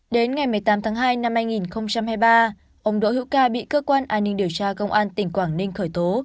đến ngày một mươi tám tháng hai năm hai nghìn hai mươi ba ông đỗ hữu ca bị cơ quan an ninh điều tra công an tỉnh quảng ninh khởi tố